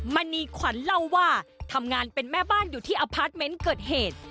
มณีขวัญเล่าว่าทำงานเป็นแม่บ้านอยู่ที่อพาร์ทเมนต์เกิดเหตุ